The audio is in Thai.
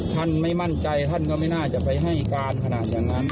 ท่านไม่มั่นใจท่านก็ไม่น่าจะไปให้การขนาดอย่างนั้น